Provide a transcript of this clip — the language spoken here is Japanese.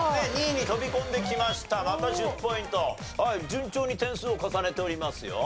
順調に点数を重ねておりますよ。